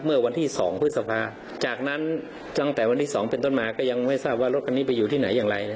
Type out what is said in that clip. เมื่อวันที่๒พฤษภาจากนั้นตั้งแต่วันที่๒เป็นต้นมาก็ยังไม่ทราบว่ารถคันนี้ไปอยู่ที่ไหนอย่างไร